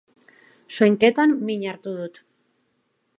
Soinketan min hartu dut.